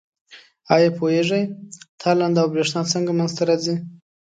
آیا پوهیږئ تالنده او برېښنا څنګه منځ ته راځي؟